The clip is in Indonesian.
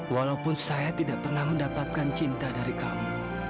walaupun saya tidak pernah mendapatkan cinta dari kamu